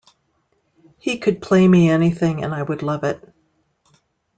He could play me anything, and I would love it.